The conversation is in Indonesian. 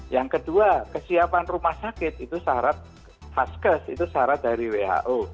yang kedua kesiapan rumah sakit itu syarat dari who